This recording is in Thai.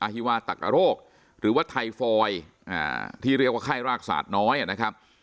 ฮิวาตักอโรคหรือว่าไทฟอยที่เรียกว่าไข้รากศาสตร์น้อยนะครับ